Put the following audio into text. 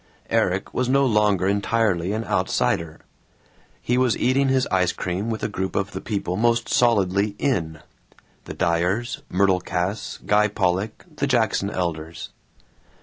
Erik was no longer entirely an outsider. He was eating his ice cream with a group of the people most solidly "in" the Dyers, Myrtle Cass, Guy Pollock, the Jackson Elders.